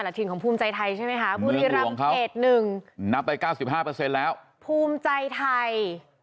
น้อยละถึงของภูมิใจไทยใช่ไหมคะบุรีรำเกตหนึ่งนับไปเก้าสิบห้าเปอร์เซ็นต์แล้วภูมิใจไทย